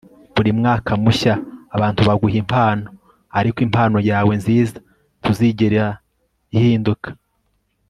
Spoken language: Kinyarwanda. buri mwaka mushya abantu baguha impano ariko impano yawe nziza ntuzigera ihinduka